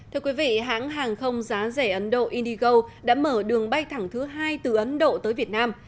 thưa quý vị hãng hàng không giá rẻ ấn độ indigo đã mở đường bay thẳng thứ hai từ ấn độ tới việt nam